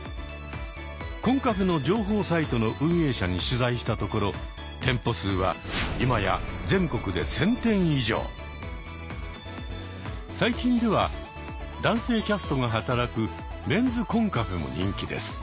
コンカフェの情報サイトの運営者に取材したところ店舗数はいまや最近では男性キャストが働くメンズコンカフェも人気です。